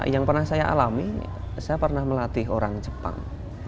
yang pernah saya alami saya pernah melatih orang jepang